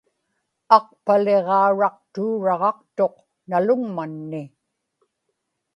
aqpaliġauraqtuuraġaqtuq nalugmanni